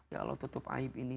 ya allah tutup aib ini